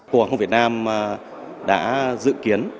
của hồng việt nam đã dự kiến